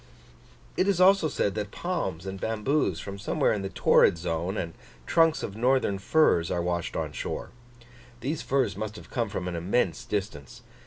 It is also said that palms and bamboos from somewhere in the torrid zone, and trunks of northern firs, are washed on shore: these firs must have come from an immense distance.